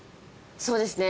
そうですね。